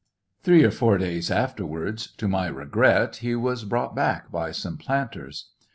Three or four days after wards, to my regret, he was brought back by some planters.